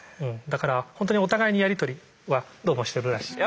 だから本当にお互いにやり取りはどうもしてるらしい。